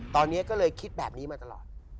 ตอนนี้ก็เลยคิดแบบนี้มาตลอด